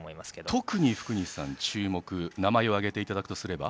特に福西さんが注目して名前を挙げていただくとすれば？